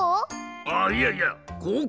あっいやいやここ。